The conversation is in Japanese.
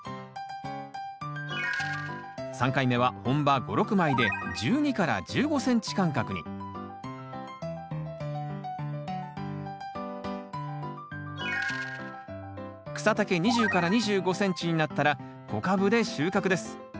３回目は本葉５６枚で１２１５ｃｍ間隔に草丈２０２５ｃｍになったら小株で収穫です。